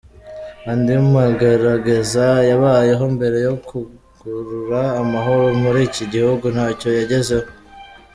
Andi magerageza yabayeho mbere yo kugarura amahoro muri iki gihugu, ntacyo yagezeho.